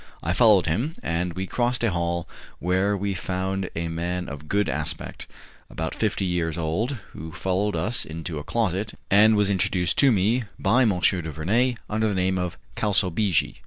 I followed him, and we crossed a hall where we found a man of good aspect, about fifty years old, who followed us into a closet and was introduced to me by M. du Vernai under the name of Calsabigi.